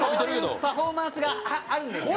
こういうパフォーマンスがあるんですよ。